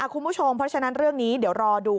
คุณผู้ชมเพราะฉะนั้นเรื่องนี้เดี๋ยวรอดู